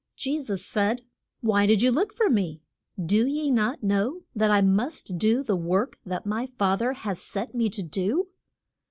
Je sus said, Why did ye look for me? Do ye not know that I must do the work that my fa ther has set me to do?